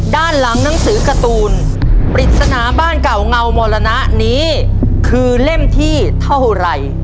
ด้านหลังหนังสือการ์ตูนปริศนาบ้านเก่าเงามรณะนี้คือเล่มที่เท่าไหร่